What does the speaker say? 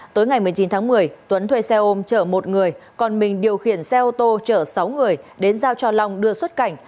tối ngày một mươi chín tháng một mươi tuấn thuê xe ôm chở một người còn mình điều khiển xe ô tô chở sáu người đến giao cho long đưa xuất cảnh